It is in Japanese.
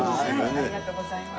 ありがとうございます。